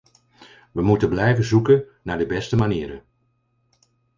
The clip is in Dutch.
We moeten blijven zoeken naar de beste manieren.